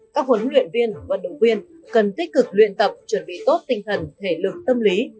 các huấn luyện viên vận động viên cần tích cực luyện tập chuẩn bị tốt tinh thần thể lực tâm lý